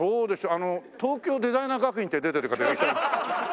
あの東京デザイナー学院って出てる方いらっしゃいます？